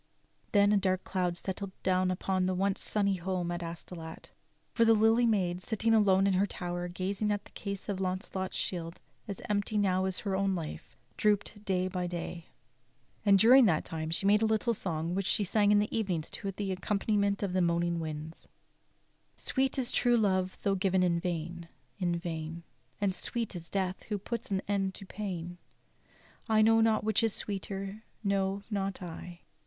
Then a dark cloud settled down upon the once sunny home at 90 THE STORY OF KING ARTHUR Astolat; for the Lily Maid, sitting alone in her tower gazing at the case of Laiincelot's shield — as empty now as her own life— drooped day by da 3 ^ And during that time she made a little song which she sang in the evenings to the accompaniment of moaning winds: "Sweet is true love tho' given in vain, in vain; And sweet is death who puts an end to pain: I know not which is sweeter, no, not I.